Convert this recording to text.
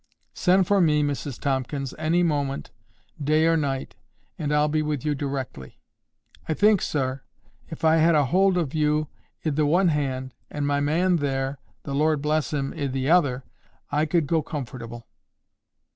"Send for me, Mrs Tomkins, any moment, day or night, and I'll be with you directly." "I think, sir, if I had a hold ov you i' the one hand, and my man there, the Lord bless him, i' the other, I could go comfortable."